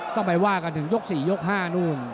ต้องไปว่ากันถึงยก๔ยก๕นู่น